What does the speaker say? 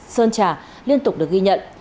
sơn trà liên tục được ghi nhận